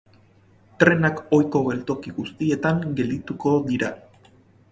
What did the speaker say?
Trenak ohiko geltoki guztietan geldituko dira.